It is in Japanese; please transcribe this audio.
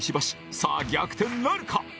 さあ逆転なるか？